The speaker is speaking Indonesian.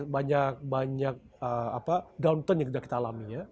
banyak downturn yang kita alami